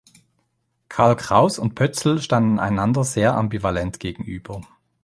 Karl Kraus und Pötzl standen einander sehr ambivalent gegenüber.